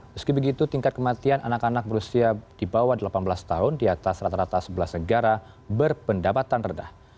meski begitu tingkat kematian anak anak berusia di bawah delapan belas tahun di atas rata rata sebelas negara berpendapatan rendah